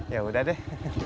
ya udah deh